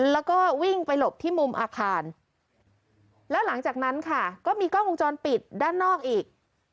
แล้วก็วิ่งไปหลบที่มุมอาคารแล้วหลังจากนั้นค่ะก็มีกล้องวงจรปิดด้านนอกอีก